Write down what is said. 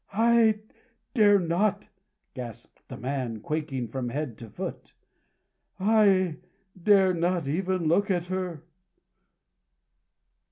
"I dare not!" gasped the man, quaking from head to foot; "I dare not even look at her!"